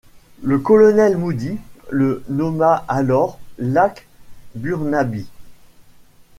Le colonel Moody le nomma alors lac Burnaby.